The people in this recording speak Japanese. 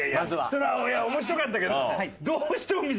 それは面白かったけど。